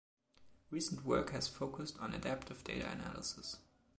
Recent work has focused on adaptive data analysis.